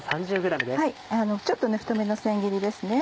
ちょっと太めの千切りですね。